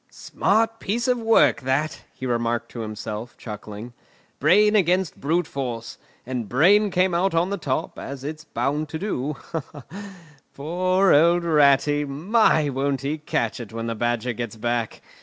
"Smart piece of work that!" he remarked to himself chuckling. "Brain against brute force—and brain came out on the top—as it's bound to do. Poor old Ratty! My! won't he catch it when the Badger gets back!